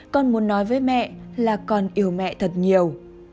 con muốn nói với mẹ là còn yêu mẹ thật nhiều